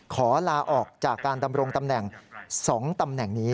ขอลาออกจากการดำรงตำแหน่ง๒ตำแหน่งนี้